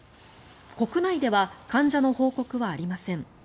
国内では患者の報告はありません。